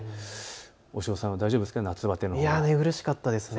押尾さんは大丈夫ですか、夏バテ。寝苦しかったですね。